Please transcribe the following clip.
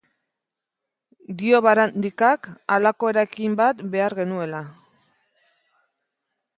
Dio Barandikak, halako eraikin bat behar genuela.